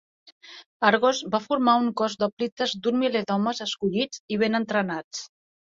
Argos va formar un cos d'hoplites d'un miler d'homes escollits i ben entrenats.